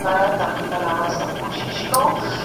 د ګلونو پر غونډۍ اورونه اوري